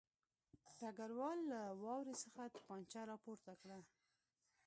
ډګروال له واورې څخه توپانچه راپورته کړه